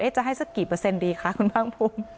จะให้สักกี่เปอร์เซ็นดีคะคุณภาคภูมิ